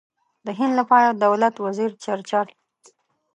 د هند لپاره د دولت وزیر چرچل.